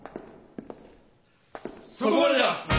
そこまでだ！